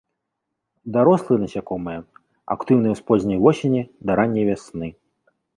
Дарослыя насякомыя актыўныя з позняй восені да ранняй вясны.